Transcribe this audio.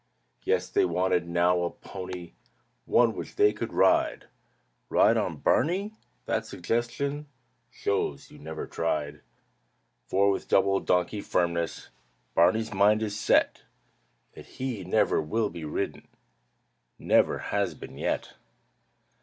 Yes, they wanted now a pony, One which they could ride. "Ride on Barney?" that suggestion Shows you never tried. For with double donkey firmness Barney's mind is set That he never will be ridden. (Never has been yet!)